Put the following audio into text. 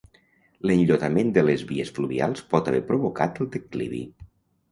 L'enllotament de les vies fluvials pot haver provocat el declivi.